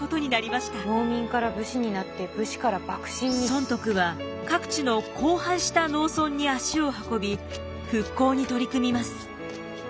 尊徳は各地の荒廃した農村に足を運び復興に取り組みます。